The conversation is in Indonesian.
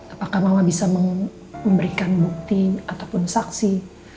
apakah mama bisa memberikan bukti ataupun saksi